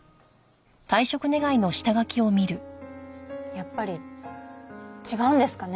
やっぱり違うんですかね